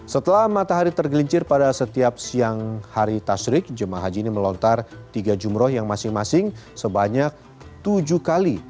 setelah matahari tergelincir pada setiap siang hari tasrik jemaah haji ini melontar tiga jumroh yang masing masing sebanyak tujuh kali